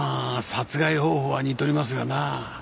殺害方法は似とりますがなぁ。